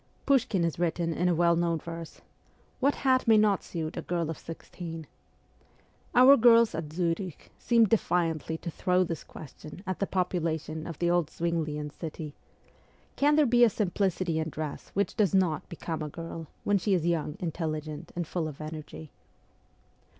Pushkin has written in a well known verse, ' What hat may not suit a girl of sixteen ?' Our girls at Zurich seemed defiantly to throw this question at the popula tion of the old Zwinglian city :' Can there be a simplicity in dress which does not become a girl, when she is young, intelligent, and full of energy